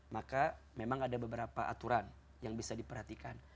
maka memang ada beberapa aturan yang bisa diperhatikan